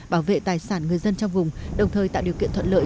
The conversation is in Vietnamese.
bảo vệ tài sản người dân trong vùng đồng thời tạo điều kiện thuận lợi